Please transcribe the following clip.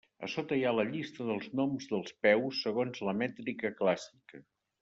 A sota hi ha la llista dels noms dels peus segons la mètrica clàssica.